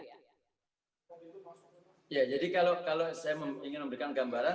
ya jadi kalau saya ingin memberikan gambaran